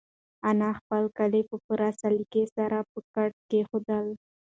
انا خپل کالي په پوره سلیقې سره په کټ کېښودل.